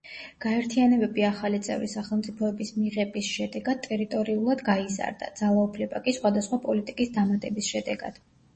გაერთიანებები ახალი წევრი სახელმწიფოების მიღების შედეგად ტერიტორიულად გაიზარდა, ძალაუფლება კი სხვადასხვა პოლიტიკის დამატების შედეგად.